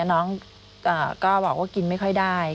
น้องก็บอกว่ากินไม่ค่อยได้